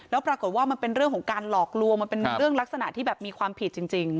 แล้วปรากฏว่ามันเป็นเรื่องของการหลอกลวงมันเป็นเรื่องลักษณะที่แบบมีความผิดจริง